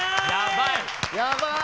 やばい！